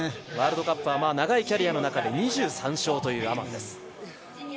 ワールドカップは長いキャリアの中で２３勝というアマンです。